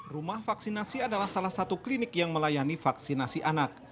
rumah vaksinasi adalah salah satu klinik yang melayani vaksinasi anak